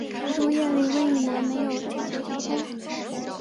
首都叶里温以南没有铁路交通。